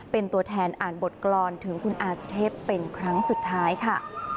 เป็นตัวแทนอ่านบทกรรมถึงคุณอาสุเทพเป็นครั้งสุดท้ายค่ะ